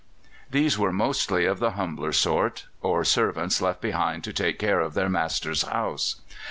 These were mostly of the humbler sort; or servants left behind to take care of their master's house.